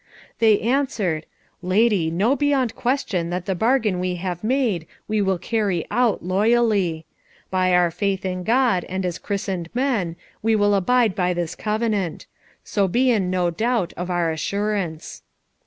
They answered, "Lady, know beyond question that the bargain we have made we will carry out loyally. By our faith in God and as christened men we will abide by this covenant; so be in no doubt of our assurance."